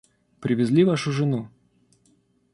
Привезли вашу жену?